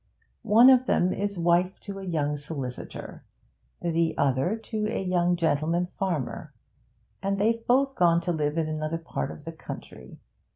'One of them is wife to a young solicitor; the other to a young gentleman farmer. And they've both gone to live in another part of the country.